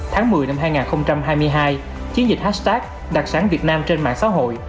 tháng một mươi năm hai nghìn hai mươi hai chiến dịch hashtag đặc sản việt nam trên mạng xã hội